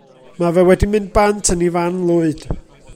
Ma' fe wedi mynd bant yn 'i fan lwyd.